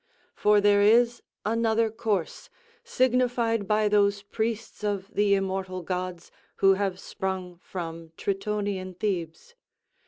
For there is another course, signified by those priests of the immortal gods, who have sprung from Tritonian Thebes.